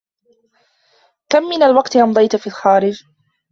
كم من الوقت أمضيت في الخارج ؟